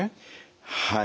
はい。